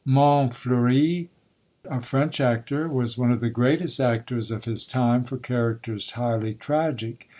Montfleury, a French player, was one of the greatest actors of his time for characters highly tragic.